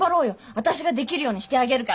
私ができるようにしてあげるから。